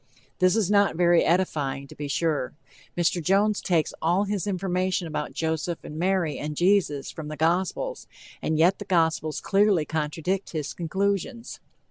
This is not very edifying, to be sure. Mr. Jones takes all his information about Joseph and Mary and Jesus from the gospels, and yet the gospels clearly contradict his conclusions.